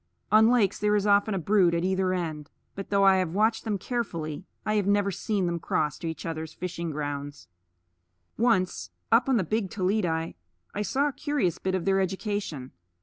On lakes there is often a brood at either end; but though I have watched them carefully, I have never seen them cross to each other's fishing grounds. Once, up on the Big Toledi, I saw a curious bit of their education.